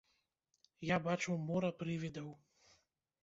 Я бачыў мора прывідаў.